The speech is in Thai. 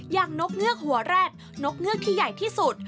นกเงือกหัวแร็ดนกเงือกที่ใหญ่ที่สุด